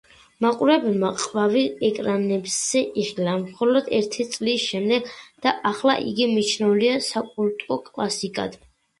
მაყურებელმა „ყვავი“ ეკრანებზე იხილა მხოლოდ ერთი წლის შემდეგ და ახლა იგი მიჩნეულია საკულტო კლასიკად.